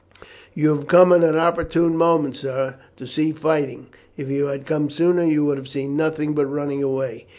"You have come at an opportune moment, sir, to see fighting. If you had come sooner you would have seen nothing but running away.